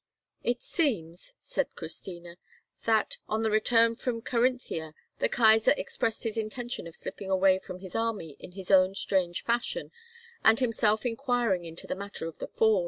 "It seems," said Christina, "that, on the return from Carinthia, the Kaisar expressed his intention of slipping away from his army in his own strange fashion, and himself inquiring into the matter of the Ford.